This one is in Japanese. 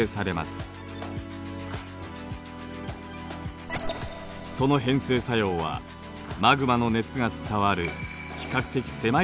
その変成作用はマグマの熱が伝わる比較的狭い範囲で起こります。